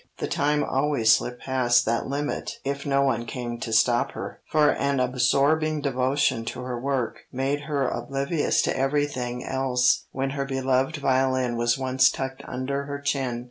The time always slipped past that limit if no one came to stop her, for an absorbing devotion to her work made her oblivious to everything else when her beloved violin was once tucked under her chin.